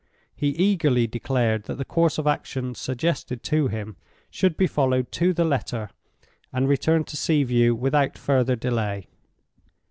He eagerly declared that the course of action suggested to him should be followed to the letter, and returned to Sea View without further delay.